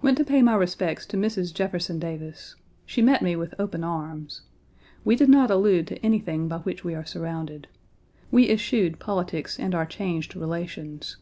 Went to pay my respects to Mrs. Jefferson Davis. She met me with open arms. We did not allude to anything by which we are surrounded. We eschewed politics and our changed relations.